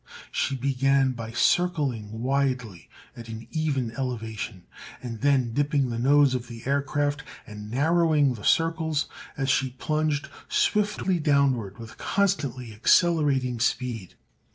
She began by circling widely, at an even elevation, and then dipping the nose of the aircraft and narrowing the circles as she plunged swiftly downward with constantly accelerating speed.